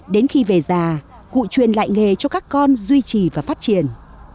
đến khi về già cụ truyền lại nghề cho các con duy trì và phát triển